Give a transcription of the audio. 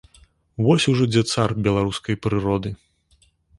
Вось ужо дзе цар беларускай прыроды.